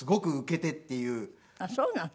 あっそうなの。